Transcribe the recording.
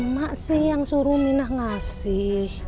mak sih yang suruh minah ngasih